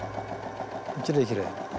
きれいきれい。